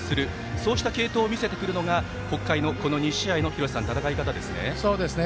そうした継投を見せてくるのが北海のこの２試合の戦い方ですね。